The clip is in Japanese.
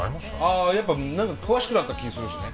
ああやっぱ何か詳しくなった気するしね。